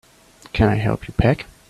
Can I help you pack?